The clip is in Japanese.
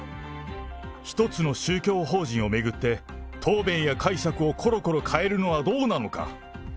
一つの宗教法人を巡って、答弁や解釈をころころ変えるのはどうなのか。